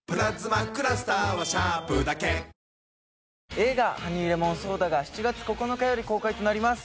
映画『ハニーレモンソーダ』が７月９日より公開となります。